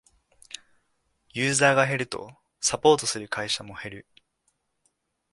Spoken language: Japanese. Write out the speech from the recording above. ユーザーが減るとサポートする会社も減る